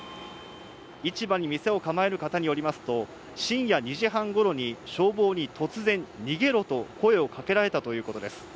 市場に店を構える方によりますと深夜２時半頃に消防に突然、逃げろと声をかけられたということです。